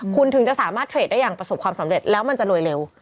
คุณถึงจะสามารถเทรดได้อย่างประสบความสำเร็จแล้วมันจะรวยเร็ว